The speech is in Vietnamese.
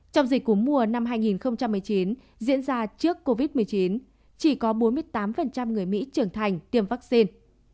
trong dịch cúm mùa năm hai nghìn một mươi chín diễn ra trước covid một mươi chín chỉ có bốn mươi tám người mỹ trưởng thành tiêm vaccine